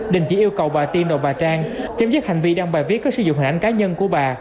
đình chỉ yêu cầu bà tiên đồng bà trang chấm dứt hành vi đăng bài viết có sử dụng hình ảnh cá nhân của bà